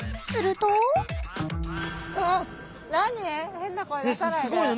変な声出さないで。